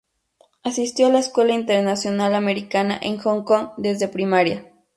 Asistió a la Escuela Internacional Americana en Hong Kong desde primaria.